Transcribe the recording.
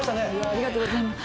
ありがとうございます。